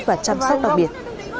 và chăm sóc đặc biệt